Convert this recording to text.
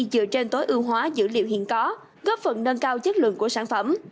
dựa trên tối ưu hóa dữ liệu hiện có góp phần nâng cao chất lượng của sản phẩm